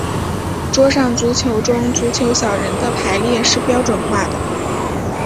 桌上足球中足球小人的排列是标准化的。